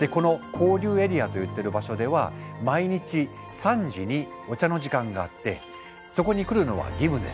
でこの交流エリアといっている場所では毎日３時にお茶の時間があってそこに来るのは義務です。